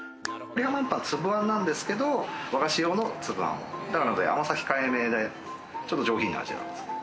つぶあんなんですけれども、和菓子用のつぶあんなので、甘さ控えめで、ちょっと上品な味なんです。